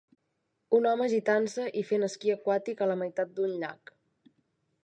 Un home agitant-se i fent esquí aquàtic a la meitat d'un llac.